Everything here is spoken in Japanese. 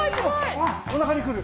あっおなかにくる！